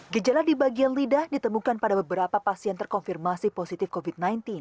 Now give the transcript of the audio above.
gejala di bagian lidah ditemukan pada beberapa pasien terkonfirmasi positif covid sembilan belas